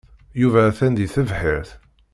Yuba atan deg tebḥirt.